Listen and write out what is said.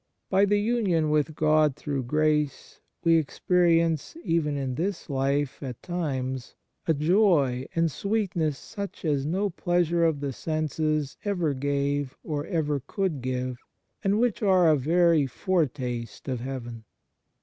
By the union with God through grace, we experience even in this life at times a joy and sweetness such as no pleasure of the senses ever gave or ever could give, and which are a very foretaste of heaven.